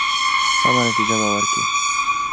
سمه نتیجه به ورکړي.